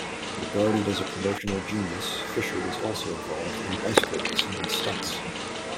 Regarded as a promotional genius, Fisher was also involved in bicycle racing and stunts.